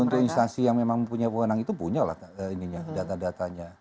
untuk instansi yang memang punya wewenang itu punya lah ini data datanya